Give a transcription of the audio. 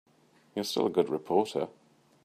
You're still a good reporter.